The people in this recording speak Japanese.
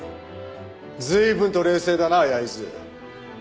随分と冷静だな焼津。